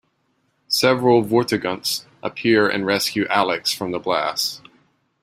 Several Vortigaunts appear and rescue Alyx from the blast.